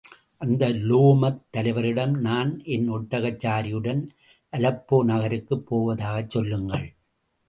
அந்த உலேமாத் தலைவரிடம், நான் என் ஒட்டகச்சாரியுடன் அலெப்போ நகருக்குப் போவதாகச் சொல்லுங்கள்.